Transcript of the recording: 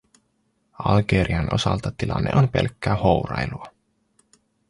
Algerian osalta tilanne on pelkkää hourailua.